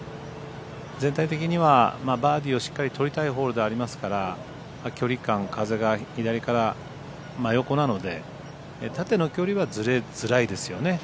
全体的にはバーディーをしっかりとりたいホールではありますから距離感風が左から真横なので縦の距離はずれづらいですよね。